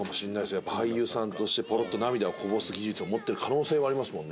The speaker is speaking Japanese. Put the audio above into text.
やっぱ俳優さんとしてポロッと涙をこぼす技術を持ってる可能性はありますもんね。